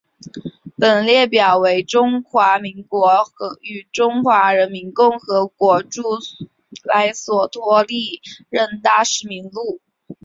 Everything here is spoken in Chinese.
本列表为中华民国与中华人民共和国驻莱索托历任大使名录。